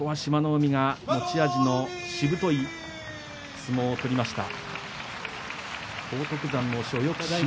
海が持ち味のしぶとい相撲を取りました。